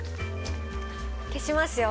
消しますよ。